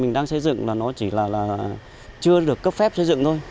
mình đang xây dựng là nó chỉ là chưa được cấp phép xây dựng thôi